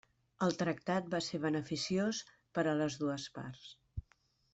El tractat va ser beneficiós per a les dues parts.